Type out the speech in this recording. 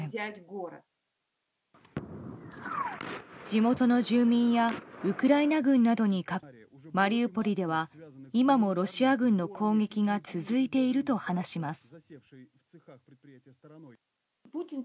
地元の住民やウクライナ軍などに確認したうえでマリウポリでは今もロシア軍の攻撃が続いていると話します。